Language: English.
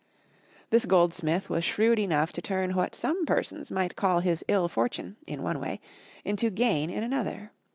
This goldsmith was shrewd enough to turn what some persons might call his ill fortune, in one way, into gain in another.